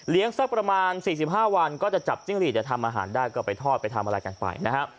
เลี้ยงสักประมาณสี่สิบห้าวันก็จะจับจิ้งหลีกจะทำอาหารได้ก็ไปทอดไปทำอะไรกันไปนะฮะ